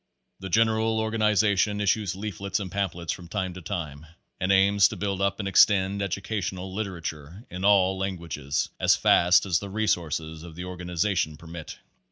The general organization issues leaflets and pamph lets from time to time and aims to build up and extend educational literature in all languages as fast as the re sources of the organization permit.